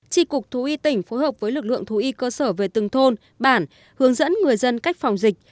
trị cục thú y tỉnh phối hợp với lực lượng thú y cơ sở về từng thôn bản hướng dẫn người dân cách phòng dịch